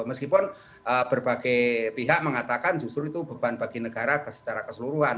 meskipun berbagai pihak mengatakan justru itu beban bagi negara secara keseluruhan